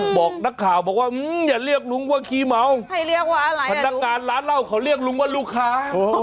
บอกนักข่าวอย่าเรียกหลุงว่าขี้เมาพนักงานร้านเหล้าเขาเรียกหลุงว่าลูกค้า